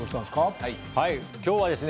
今日はですね